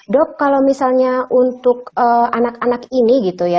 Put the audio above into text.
dok kalau misalnya untuk anak anak ini gitu ya